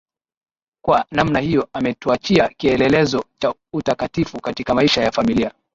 Kwa namna hiyo ametuachia kielelezo cha utakatifu katika maisha ya familia